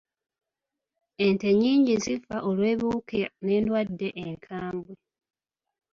Ente nnyingi zifa olw'ebiwuka n'enddwadde enkambwe.